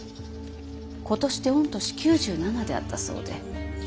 今年で御年９７であったそうで。